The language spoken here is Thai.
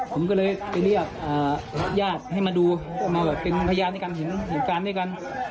ผมก็เลยไปเรียกญาติให้มาดูก็มาแบบเป็นพยานด้วยกันเห็นเหตุการณ์ด้วยกัน